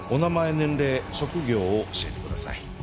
年齢職業を教えてください。